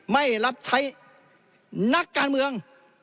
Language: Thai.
ไม่รับใช้นักการเมือง